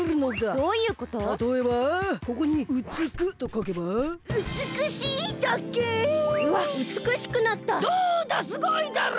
どうだすごいだろ！？